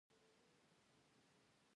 نور هیوادونه ورڅخه زده کړه کوي.